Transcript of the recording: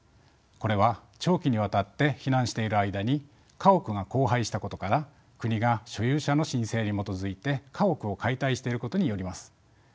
これは長期にわたって避難している間に家屋が荒廃したことから国が所有者の申請に基づいて家屋を解体していることによります。